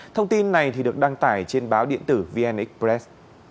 thông tin này được đăng tải trên báo điện tử vn express